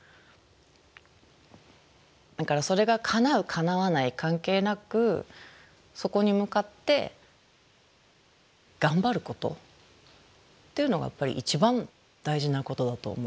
叶わない関係なくそこに向かって頑張ることっていうのがやっぱり一番大事なことだと思います。